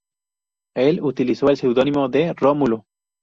Él utilizó el seudónimo de Rómulo.